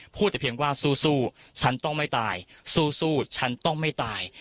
แต่เพียงว่าสู้ฉันต้องไม่ตายสู้ฉันต้องไม่ตาย